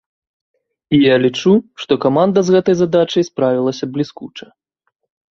І я лічу, што каманда з гэтай задачай справілася бліскуча!